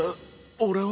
俺は。